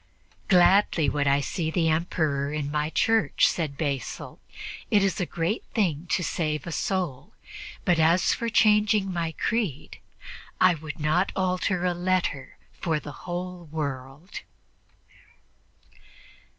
"Gladly would I see the Emperor in my church," said Basil; "it is a great thing to save a soul; but as for changing my creed, I would not alter a letter for the whole world."